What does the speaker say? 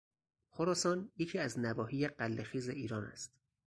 خراسان یکی از نواحی غله خیز ایران است.